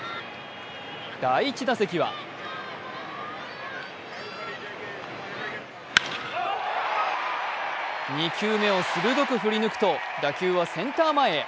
第１打席は２球目を鋭く振り抜くと打球センター前へ。